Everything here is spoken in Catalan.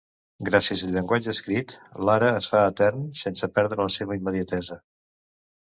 Gràcies al llenguatge escrit l'ara es fa etern sense perdre la seva immediatesa.